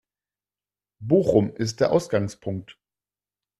Bochum ist der Ausgangspunkt.